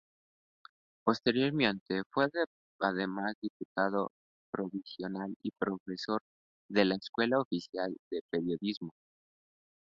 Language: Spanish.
Posteriormente fue además diputado provincial y profesor de la Escuela Oficial de Periodismo.